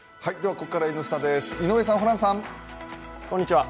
ここから「Ｎスタ」です、井上さん、ホランさん。